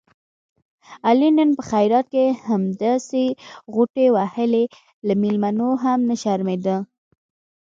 علي نن په خیرات کې همداسې غوټې وهلې، له مېلمنو هم نه شرمېدا.